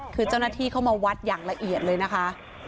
คือเจ้าหน้าที่เข้ามาวัดอย่างละเอียดเลยนะคะ